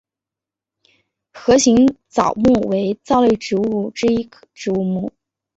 盒形藻目为藻类植物之一植物目。